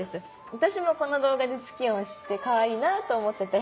私もこの動画でツキヨンを知ってかわいいなと思ってて。